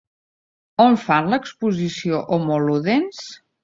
On fan l'exposició Homo Ludens?